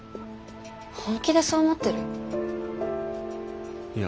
本気でそう思ってる？いや。